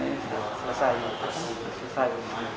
ini sudah selesai